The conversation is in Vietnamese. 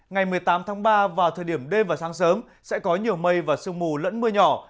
ngày một mươi tám tháng ba vào thời điểm đêm và sáng sớm sẽ có nhiều mây và sương mù lẫn mưa nhỏ